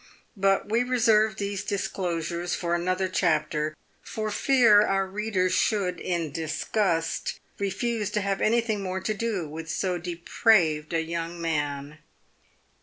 But we reserve these disclosures for another chapter, for fear our readers should, in dis gust, refuse to have anything more to do with so depraved a young man.